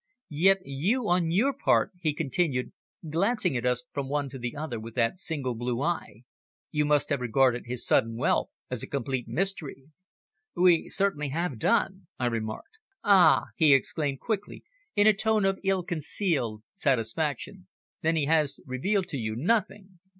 Yet you on your part," he continued, glancing at us from one to the other with that single blue eye, "you must have regarded his sudden wealth as a complete mystery." "We certainly have done," I remarked. "Ah!" he exclaimed quickly in a tone of ill concealed satisfaction. "Then he has revealed to you nothing!"